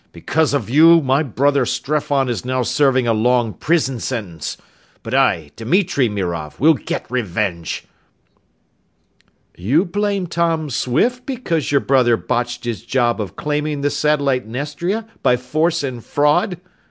Because of you, my brother Streffan is now serving a long prison sentence! But I, Dimitri Mirov, will get revenge!" "You blame Tom Swift because your brother botched his job of claiming the satellite Nestria by force and fraud?"